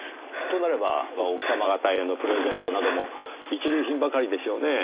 となれば奥様方へのプレゼントなども一流品ばかりでしょうねぇ。